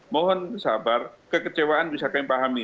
mohon sabar kekecewaan bisa kami pahami